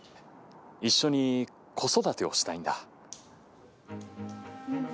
一緒に子育てをしたいんだ。